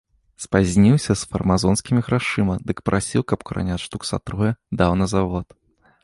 Спазніўся з фармазонскімі грашыма, дык прасіў, каб куранят штук са трое даў на завод.